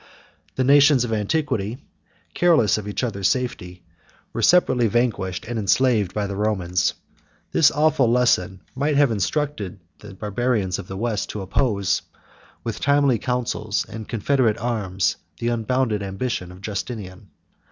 The nations of antiquity, careless of each other's safety, were separately vanquished and enslaved by the Romans. This awful lesson might have instructed the Barbarians of the West to oppose, with timely counsels and confederate arms, the unbounded ambition of Justinian.